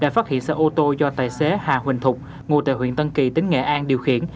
đã phát hiện xe ô tô do tài xế hà huỳnh thục ngụ tại huyện tân kỳ tỉnh nghệ an điều khiển